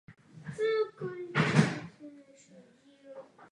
Následuje tabulka některých typických funkcí a odhadů tvaru jejich řešení.